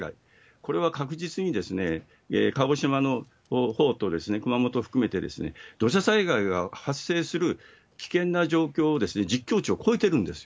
これは確実に鹿児島のほうと熊本含めて、土砂災害が発生する危険な状況をじっきょう値を超えてるんですよ。